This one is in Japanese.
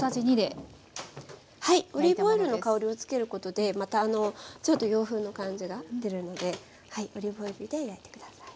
はいオリーブオイルの香りを付けることでまたあのちょっと洋風の感じが出るのでオリーブオイルでやってください。